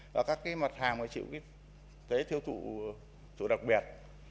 và các mặt hàng mà chịu thuế thiếu thụ đặc biệt